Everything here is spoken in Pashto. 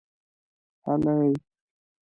هلئ!